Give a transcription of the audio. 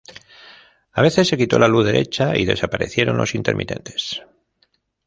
A veces se quitó la luz derecha, y desaparecieron los intermitentes.